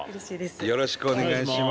よろしくお願いします。